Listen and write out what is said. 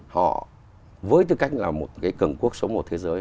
họ với tư cách là một cái cường quốc số một thế giới